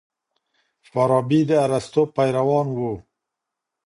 فارابي د ارسطو پیروان و.